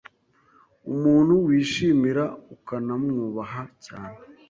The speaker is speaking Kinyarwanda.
Umuntu wishimira ukanamwubaha cyane